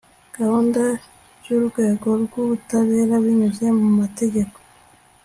gahunda by'urwego rw'ubutabera, binyuze mu matageko